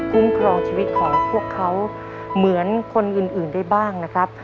ครองชีวิตของพวกเขาเหมือนคนอื่นได้บ้างนะครับ